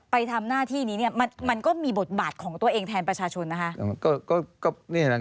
ไปทำหน้าที่นี้มันก็มีบทบาทของตัวเองแทนประชาชนนะคะ